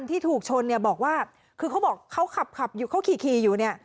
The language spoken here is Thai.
ที่ถูกชนเนี่ยบอกว่าคือเขาบอกเขาขับอยู่เขาขี่อยู่เนี่ย